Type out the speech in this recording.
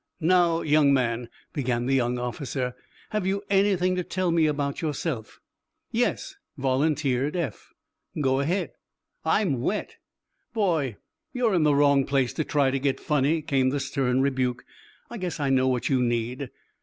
"Now, young man," began the young officer, "have you anything to tell me about yourself!" "Yes," volunteered Eph. "Go ahead." "I'm wet." "Boy, you're in the wrong place to try to get funny," came the stern rebuke. "I guess I know what you need."